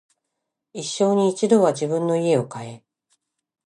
一生に一度は自分の家を買え